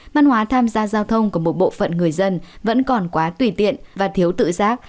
văn hóa tham gia giao thông của một bộ phận người dân vẫn còn quá tùy tiện và thiếu tự giác